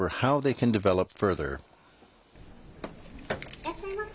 いらっしゃいませ。